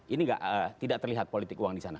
ini tidak terlihat politik uang di sana